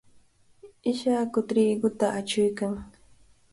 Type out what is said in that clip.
Ishaku triquta achuykan.